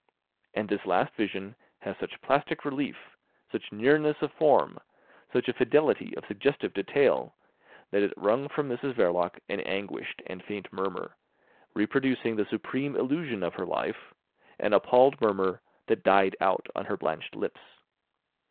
And this last vision had such plastic relief, such nearness of form, such a fidelity of suggestive detail, that it wrung from Mrs Verloc an anguished and faint murmur, reproducing the supreme illusion of her life, an appalled murmur that died out on her blanched lips.